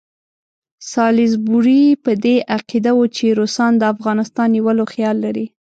سالیزبوري په دې عقیده وو چې روسان د افغانستان نیولو خیال لري.